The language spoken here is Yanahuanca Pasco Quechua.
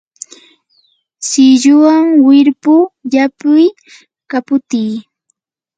silluwan wirpu llapiy, kaputiy